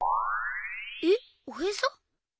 えっおへそ？